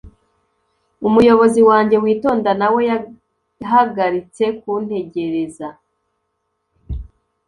umuyobozi wanjye witonda na we yahagaritse kuntegereza